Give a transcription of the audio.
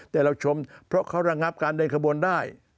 แต่เราชมเพราะเขาระงับการเดินขบวนได้